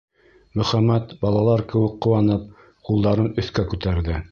Мөхәммәт, балалар кеүек ҡыуанып, ҡулдарын өҫкә күтәрҙе.